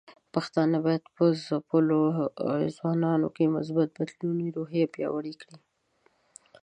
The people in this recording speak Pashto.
پښتانه بايد په خپلو ځوانانو کې د مثبت بدلون روحیه پیاوړې کړي.